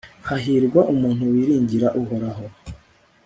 hahirwa umuntu wiringira uhoraho